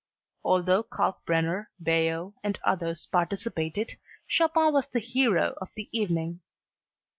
Although Kalkbrenner, Baillot and others participated, Chopin was the hero of the evening.